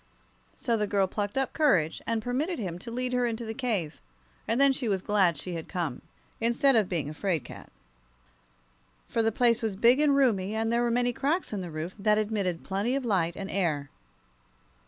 So the girl plucked up courage and permitted him to lead her into the cave; and then she was glad she had come, instead of being a 'fraid cat. For the place was big and roomy, and there were many cracks in the roof, that admitted plenty of light and air.